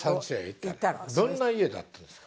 どんな家だったんですか？